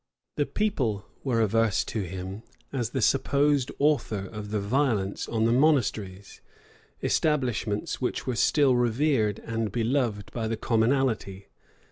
The people were averse to him, as the supposed author of the violence on the monasteries; establishments which were still revered and beloved by the commonalty.